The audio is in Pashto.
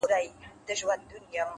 هره تجربه د پوهې څراغ بلوي’